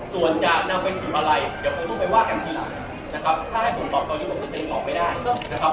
ส่วนจะนำไปสู่อะไรเดี๋ยวผมต้องไปว่ากันทีหลังนะครับถ้าให้ผมตอบตอนนี้ผมก็ยังตอบไม่ได้นะครับ